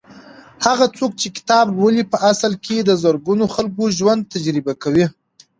هغه څوک چې کتاب لولي په اصل کې د زرګونو خلکو ژوند تجربه کوي.